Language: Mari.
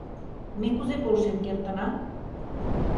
— Ме кузе полшен кертына?